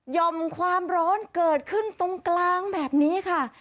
ยอมความร้อนเกิดขึ้นตรงกลางแบบนี้ค่ะ